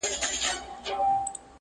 هم یې خزان هم یې بهار ښکلی دی!!